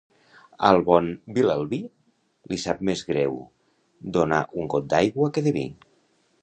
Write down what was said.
Al bon vilalbí, li sap més greu donar un got d'aigua que de vi.